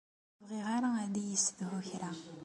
Ur bɣiɣ ara ad iyi-yessedhu kra.